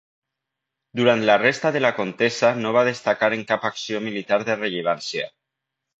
Durant la resta de la contesa no va destacar en cap acció militar de rellevància.